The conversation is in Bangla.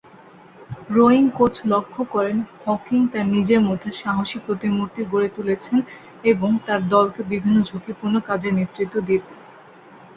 রোয়িং কোচ লক্ষ্য করেন হকিং তার নিজের মধ্যে সাহসী প্রতিমূর্তি গড়ে তুলেছেন, এবং তার দলকে বিভিন্ন ঝুঁকিপূর্ণ কাজে নেতৃত্ব দিতেন।